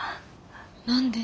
何で？